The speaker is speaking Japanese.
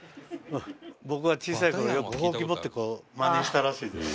僕は小さい頃よくほうき持ってこうマネしたらしいです。